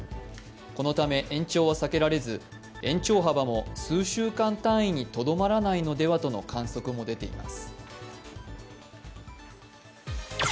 このため延長は避けられず、延長幅も数週間単位にとどまらないのではとの観測も出ています。